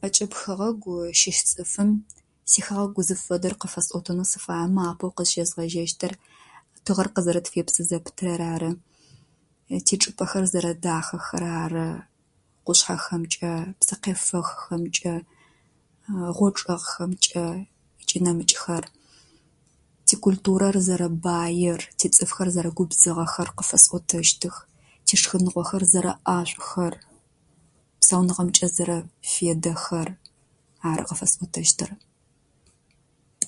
Ӏэкӏыб хэгъэгъу щыщ цӏыфым си хэгъэгу зыфэдэр къыфэсӏотэнэу сыфаемэ, апэу къызщезгъэжьэщтыр тыгъэр къызэрэтфепсы зэпытэр ары. Ти чӏыпӏэхэр зэрэдахэхэр ары, къушъхьэхэмкӏэ, псыкъефэхыхэмкӏэ, гъочъэфхэмкӏэ ыкӏи нэмыкӏхэр. Ти культурэр зэрэ баер. Ти цӏыфхэр зэрэгубзыгъэхэр къыфэсӏотэщтых. Ти шхыныгъохэр зэрэӏэшӏухэр, псауныгъэмкӏэ зэрэфедэхэр. Ары къыфэсӏотэщтэр.